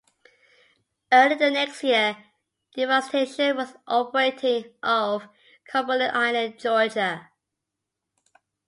Early the next year "Devastation" was operating off Cumberland Island, Georgia.